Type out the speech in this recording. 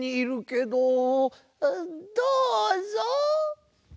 どうぞ。